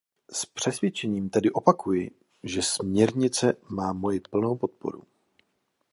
S přesvědčením tedy opakuji, že směrnice má moji plnou podporu.